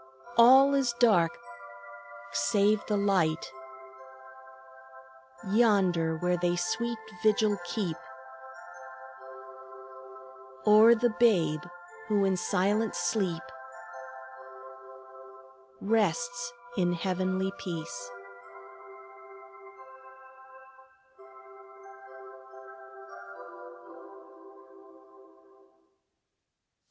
All is dark save the light, Yonder where they sweet vigil keep, O'er the Babe who in silent sleep Rests in heavenly peace."